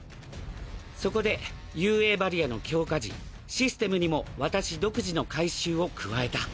そこで雄英バリアの強化時システムにも私独自の改修を加えた。